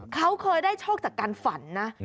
เขาเคยได้โชคจากการฝันนะ